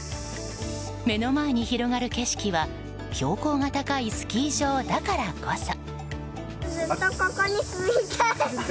目の前に広がる景色は標高が高いスキー場だからこそ。